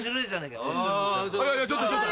ちょっとちょっと！